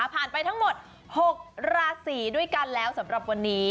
ไปทั้งหมด๖ราศีด้วยกันแล้วสำหรับวันนี้